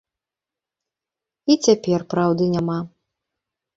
І цяпер праўды няма.